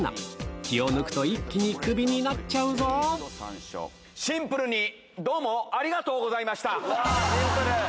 気を抜くと一気にクビになっちゃシンプルに、どうもありがとシンプル。